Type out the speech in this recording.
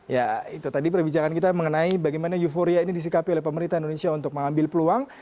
ya itu tadi perbicaraan kita mengenai bagaimana euforia ini disikapi oleh pemerintah indonesia untuk mengambil peluang